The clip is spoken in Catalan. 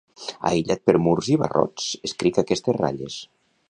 Aïllat per murs i barrots, escric aquestes ratlles.